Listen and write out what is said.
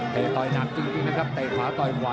ต่อยหนักจริงนะครับเตะขวาต่อยขวา